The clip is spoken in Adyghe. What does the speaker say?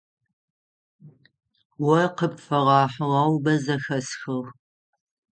О къыпфэгъэхьыгъэу бэ зэхэсхыгъ.